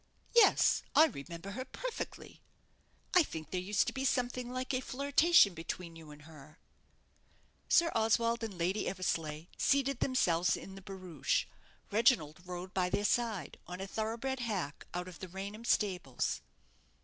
"Yes, I remember her perfectly." "I think there used to be something like a flirtation between you and her." Sir Oswald and Lady Eversleigh seated themselves in the barouche; Reginald rode by their side, on a thorough bred hack out of the Raynham stables.